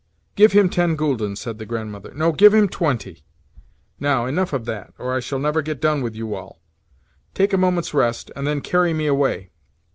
"Give him ten gülden," said the Grandmother. "No, give him twenty. Now, enough of that, or I shall never get done with you all. Take a moment's rest, and then carry me away.